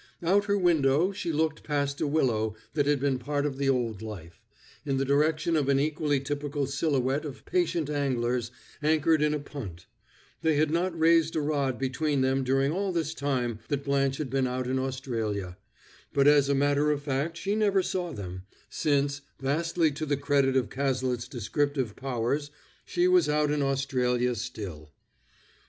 Out her window she looked past a willow that had been part of the old life, in the direction of an equally typical silhouette of patient anglers anchored in a punt; they had not raised a rod between them during all this time that Blanche had been out in Australia; but as a matter of fact she never saw them, since, vastly to the credit of Cazalet's descriptive powers, she was out in Australia still.